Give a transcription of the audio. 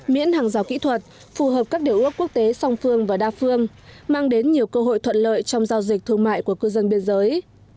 miễn hàng rào kỹ thuật phù hợp các điều ước quốc tế song phương và đa phương mang đến nhiều cơ hội thuận lợi trong giao dịch thương mại của cư dân biên giới